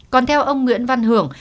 còn theo ông nguyễn văn hưởng